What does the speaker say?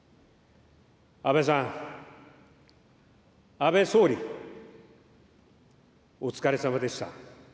安倍さん、安倍総理、お疲れさまでした。